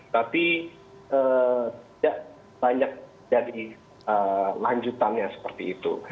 tapi tidak banyak jadi lanjutannya seperti itu